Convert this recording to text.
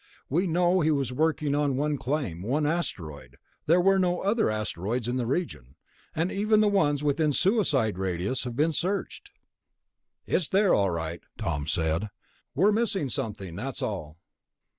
We know he was working on one claim, one asteroid. There were no other asteroids in the region ... and even the ones within suicide radius have been searched." "It's there, all right," Tom said. "We're missing something, that's all."